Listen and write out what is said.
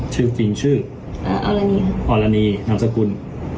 ชื่อปลางชื่อกลิ่นชื่ออละนีอละนีนามสกุล